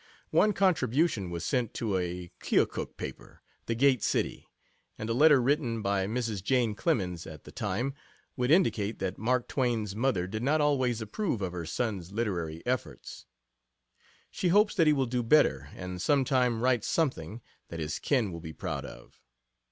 [One contribution was sent to a Keokuk paper, The Gate City, and a letter written by Mrs. Jane Clemens at the time would indicate that Mark Twain's mother did not always approve of her son's literary efforts. She hopes that he will do better, and some time write something "that his kin will be proud of."